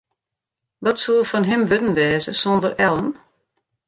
Wat soe fan him wurden wêze sonder Ellen?